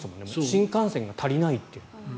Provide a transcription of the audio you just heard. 新幹線が足りないって。